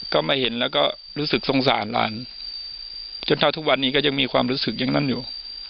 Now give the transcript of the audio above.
ก็มาเห็นแล้วก็รู้สึกสงสารหลานจนเท่าทุกวันนี้ก็ยังมีความรู้สึกอย่างนั้นอยู่